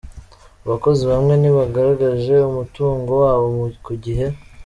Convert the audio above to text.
Abakozi bamwe ntibagaragaje umutungo wabo ku gihe